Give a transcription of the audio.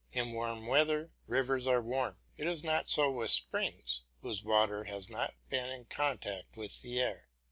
In warm weather rivers are warm; it is not so with springs, whose water has not been in contact with the air.